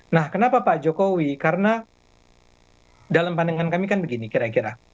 nah kenapa pak jokowi karena dalam pandangan kami kan begini kira kira